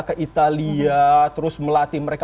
ke italia terus melatih mereka